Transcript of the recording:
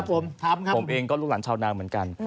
ผมเองก็ลูกหลังชาวนาเหมือนกัน